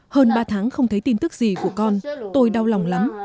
hơn ba tháng không thấy tin tức gì của con tôi đau lòng lắm